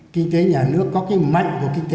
kinh tế nhà nước có cái mạnh về kinh tế